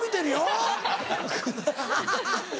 アハハハ！